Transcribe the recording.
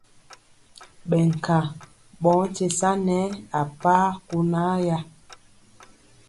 Ɓɛ nkaŋ ɓɔ nkye sa nɛ a paa kunaaya.